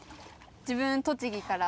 自分栃木から。